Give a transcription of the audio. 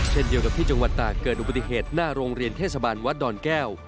เช่นเดียวกับที่จังหวัดตากเกิดอุบัติเหตุหน้าโรงเรียนเทศบาลวัดดอนแก้ว